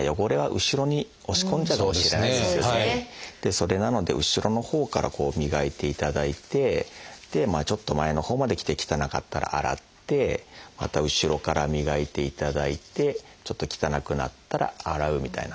それなので後ろのほうから磨いていただいてちょっと前のほうまで来て汚かったら洗ってまた後ろから磨いていただいてちょっと汚くなったら洗うみたいな。